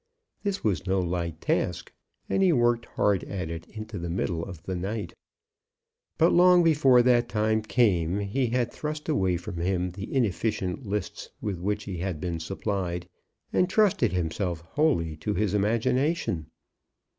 This was no light task, and he worked hard at it into the middle of the night. But long before that time came he had thrust away from him the inefficient lists with which he had been supplied, and trusted himself wholly to his imagination.